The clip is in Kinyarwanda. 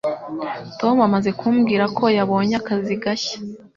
Tom amaze kumbwira ko yabonye akazi gashya.